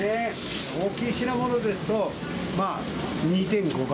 大きい品物ですと、まあ２．５倍。